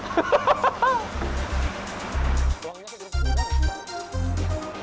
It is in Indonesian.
bisa kan udah di gini